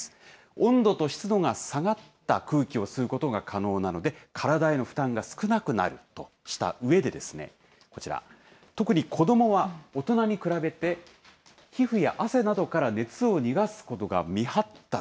温度と湿度が下がった空気を吸うことが可能なので、体への負担が少なくなるとしたうえで、こちら、特に子どもは大人に比べて皮膚や汗などから熱を逃がすことが未発達。